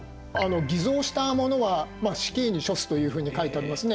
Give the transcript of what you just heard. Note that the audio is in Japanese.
「偽造した者は死刑に処す」というふうに書いてありますね。